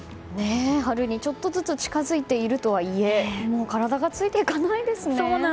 春に、ちょっとずつ近づいているとはいえもう体がついていかないですね。